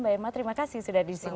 mbak irma terima kasih sudah disini